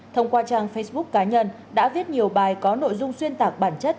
thông qua trang facebook cá nhân đã viết nhiều bài có nội dung xuyên tạc bản chất